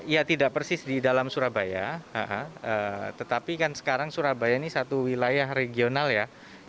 ya tidak persis di dalam surabaya tetapi kan sekarang surabaya ini satu wilayah regional ya